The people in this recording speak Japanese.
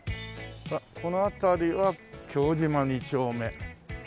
この辺りは京島２丁目。